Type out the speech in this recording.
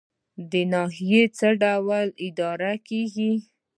ناحیه څه ډول اداره کیږي؟